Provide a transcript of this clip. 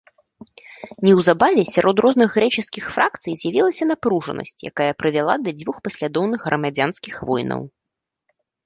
Неўзабаве сярод розных грэчаскіх фракцый з'явілася напружанасць, якая прывяла да дзвюх паслядоўных грамадзянскіх войнаў.